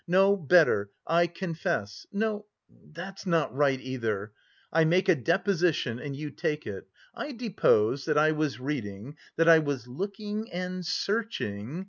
no, better 'I confess'... No, that's not right either; 'I make a deposition and you take it.' I depose that I was reading, that I was looking and searching...."